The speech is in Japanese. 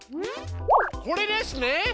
これですね！